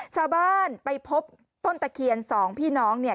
ชาวบ้านไปพบต้นตะเคียนสองพี่น้องเนี่ย